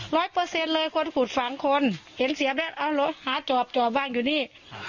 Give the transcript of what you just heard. เปอร์เซ็นต์เลยคนขุดฝังคนเห็นเสียบแล้วเอาเหรอหาจอบจอบวางอยู่นี่